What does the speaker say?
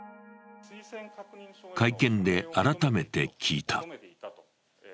会見で改めて聞いた。